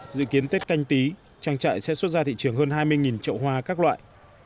dự kiến tết canh tí trang trại sẽ xuất ra thị trường hơn hai mươi trậu hoa các loại